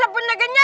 emang enak makanya